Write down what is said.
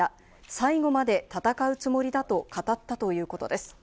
最後まで戦うつもりだと語ったということです。